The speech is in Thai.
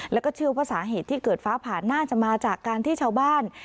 แล้วก็เชื่อว่าสาเหตุที่เกิดฟ้าผ่านน่าจะมาจากการที่ชาวบ้าน